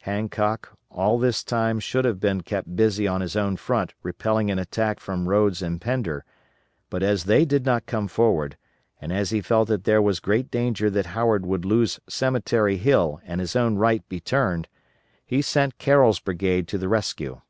"_ Hancock, all this time should have been kept busy on his own front repelling an attack from Rodes and Pender, but as they did not come forward, and as he felt that there was great danger that Howard would lose Cemetery Hill and his own right be turned, he sent Carroll's brigade to the rescue.